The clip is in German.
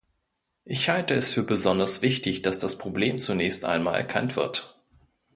Ich halte es für besonders wichtig, dass das Problem zunächst einmal erkannt wird.